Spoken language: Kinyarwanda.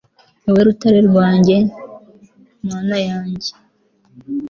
ni wowe rutare rwanjye (mana yanjye